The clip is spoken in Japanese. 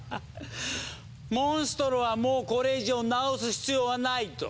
モンストロはもうこれ以上なおす必要はないと。